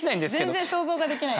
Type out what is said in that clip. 全然想像ができない。